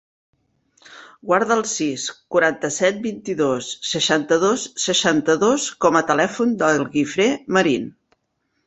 Guarda el sis, quaranta-set, vint-i-dos, seixanta-dos, seixanta-dos com a telèfon del Guifré Marin.